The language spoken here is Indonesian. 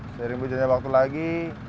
sering berjalan waktu lagi